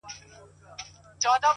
اخلاص باور ژوروي